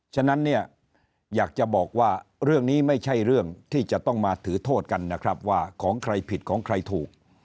ฉะนั้นเนี่ยอยากจะบอกว่าเรื่องนี้ไม่ใช่เรื่องที่จะต้องมาถือโทษกันนะครับว่าของใครผิดของใครถูก